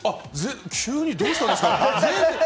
急にどうしたんですか？